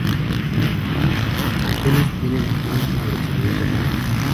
Las antenas tienen un engrosamiento final.